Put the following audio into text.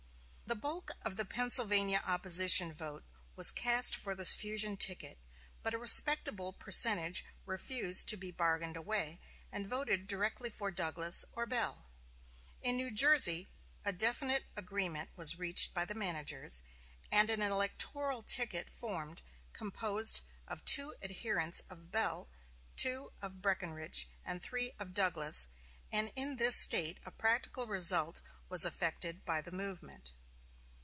The bulk of the Pennsylvania opposition vote was cast for this fusion ticket, but a respectable percentage refused to be bargained away, and voted directly for Douglas or Bell. In New Jersey a definite agreement was reached by the managers, and an electoral ticket formed, composed of two adherents of Bell, two of Breckinridge, and three of Douglas; and in this State a practical result was effected by the movement.